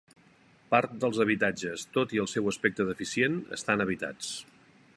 Part dels habitatges, tot i el seu aspecte deficient, estan habitats.